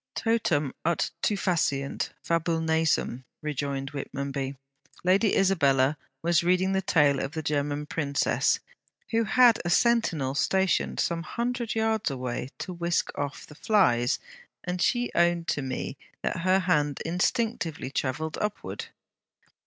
'Totum ut to faciant, Fabulle, nasum,' rejoined Whitmonby. 'Lady Isabella was reading the tale of the German princess, who had a sentinel stationed some hundred yards away to whisk off the flies, and she owned to me that her hand instinctively travelled upward.'